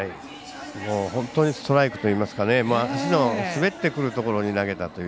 本当にストライクといいますか足の滑ってくるところに投げたという。